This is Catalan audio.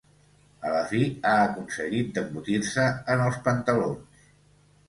A la fi ha aconseguit d'embotir-se en els pantalons!